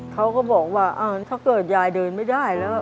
เขาก็บอกว่าถ้าเกิดยายเดินไม่ได้แล้ว